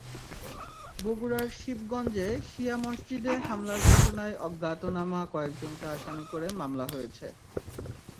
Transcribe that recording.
বগুড়ার শিবগঞ্জে শিয়া মসজিদে হামলার ঘটনায় অজ্ঞাতনামা কয়েকজনকে আসামি করে মামলা হয়েছে।